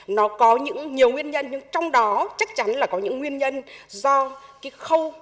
nó có nhiều nguyên nhân nhưng trong đó chắc chắn là có những nguyên nhân do khâu